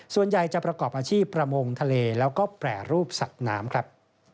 ส่วนใหญ่จะประกอบอาชีพประมงทะเลแล้วก็แปรรูปสัตว์น้ำครับ